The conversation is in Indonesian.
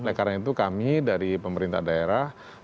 nah karena itu kami dari pemerintah daerah memperbaiki